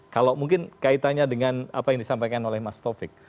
kalau mungkin kaitannya dengan apa yang disampaikan oleh mas taufik